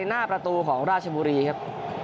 หน้าประตูของราชบุรีครับ